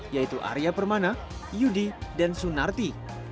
yaitu arya permana yudi dan sunarti